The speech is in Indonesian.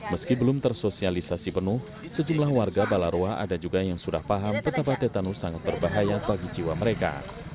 meski belum tersosialisasi penuh sejumlah warga balarowa ada juga yang sudah paham betapa tetanus sangat berbahaya bagi jiwa mereka